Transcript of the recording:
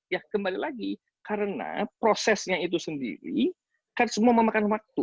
ya kembali lagi karena prosesnya itu sendiri kan semua memakan waktu